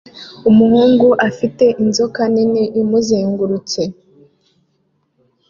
Umuhungu afite inzoka nini imuzengurutse